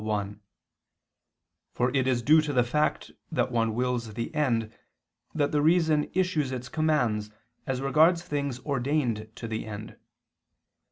1): for it is due to the fact that one wills the end, that the reason issues its commands as regards things ordained to the end.